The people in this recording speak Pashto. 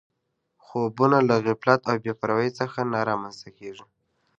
خوبونه له غفلت او بې پروایۍ څخه نه رامنځته کېږي